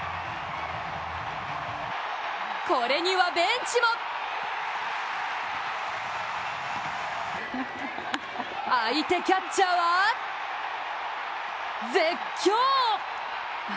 これにはベンチも相手キャッチャーは絶叫。